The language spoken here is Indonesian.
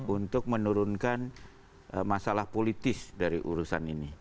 untuk menurunkan masalah politis dari urusan ini